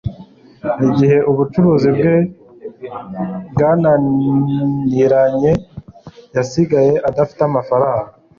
Igihe ubucuruzi bwe bwananiranye yasigaye adafite amafaranga